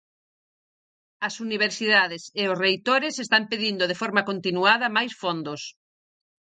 As universidades e os reitores están pedindo de forma continuada máis fondos.